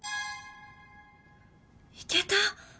いけた。